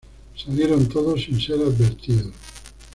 Salieron todos sin ser advertidos.